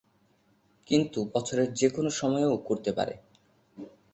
কিন্ত বছরের যেকোনো সময়েও করতে পারে।